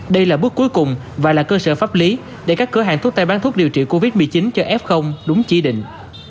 đây là bước cuối cùng và là cơ sở pháp lý để các cửa hàng thuốc tây bán thuốc điều trị covid một mươi chín cho f đúng chỉ định